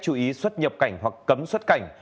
chú ý xuất nhập cảnh hoặc cấm xuất cảnh